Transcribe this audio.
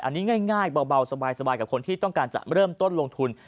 อันนี้ง่ายเบาสบายกับคนที่ต้องการจะเริ่มต้นลงทุน